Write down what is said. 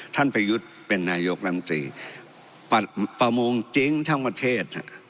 ประยุทธ์เป็นนายกรัฐมนตรีประมงเจ๊งทั้งประเทศ